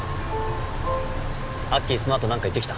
アッキーそのあと何か言ってきた？